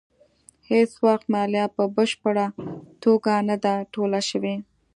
هېڅ وخت مالیه په بشپړه توګه نه ده ټوله شوې.